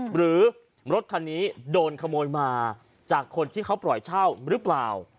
หรือรถคันนี้โดนขโมยมาจากคนที่เขาปล่อยเช่าหรือเปล่า